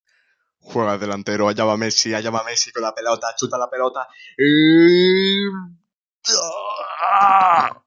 Juega de Delantero.